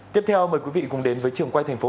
tiếp theo mời quý vị cùng đến với trường quay tp hcm